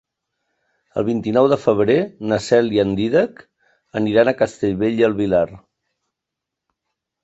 El vint-i-nou de febrer na Cel i en Dídac aniran a Castellbell i el Vilar.